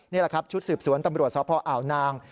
นี่แหละครับชุดสืบสวนตำรวจสพอ่าวนาง